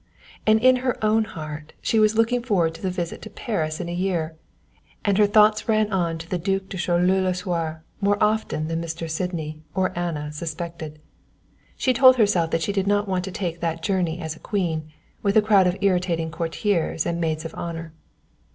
And in her own heart she was looking forward to the visit to Paris in a year, and her thoughts ran on the Duc de Choleaux Lasuer more often than Mr. Sydney or Anna suspected. She told herself that she did not want to take that journey as a queen, with a crowd of irritating courtiers and maids of honour.